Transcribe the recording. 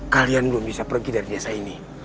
kalian belum bisa pergi dari desa ini